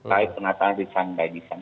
tentang penataan design by design